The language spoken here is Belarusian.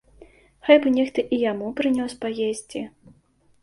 Хай бы нехта і яму прынёс паесці.